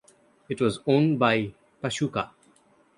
It was won by Pachuca.